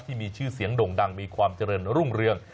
ที่มีชื่อเสียงด่งดังมีความเจริญรุ่งเรือง